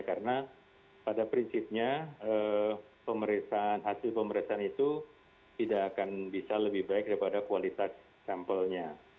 karena pada prinsipnya hasil pemeriksaan itu tidak akan bisa lebih baik daripada kualitas sampelnya